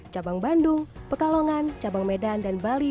cabang bandung pekalongan cabang medan dan bali